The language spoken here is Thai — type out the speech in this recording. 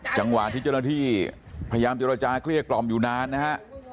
จังหวะที่เจ้าหน้าที่พยายามเจ้าหน้าที่เครียดกล่อมอยู่นานนะฮะ